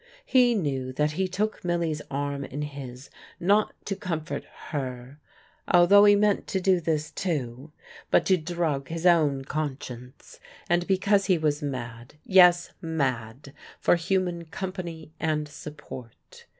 He knew that he took Milly's arm in his not to comfort her (although he meant to do this, too) but to drug his own conscience, and because he was mad yes, mad for human company and support.